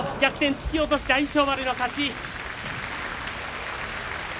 突き落とし大翔丸の勝ち。